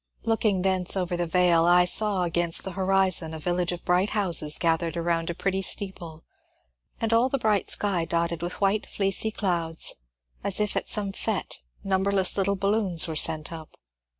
Looking thence over the vale, I saw against the horizon a village of bright houses gathered around a pretty steeple and all the bright sky dotted with white fleecy clouds, as if at some fete numberless little balloons were sent up.